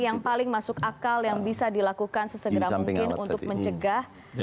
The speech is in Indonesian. yang paling masuk akal yang bisa dilakukan sesegera mungkin untuk mencegah